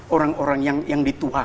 orang orang yang dituai